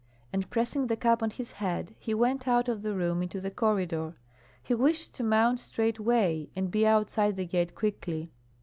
And pressing the cap on his head, he went out of the room into the corridor. He wished to mount straightway and be outside the gate quickly.